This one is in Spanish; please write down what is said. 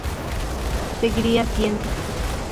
Seguiría Ciencias.